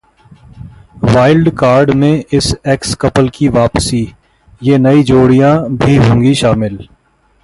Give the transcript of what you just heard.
wild card में इस Ex couple की वापसी, ये नई जोड़ियां भी होंगी शामिल